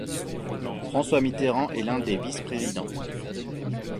François Mitterrand est l’un des vice-présidents.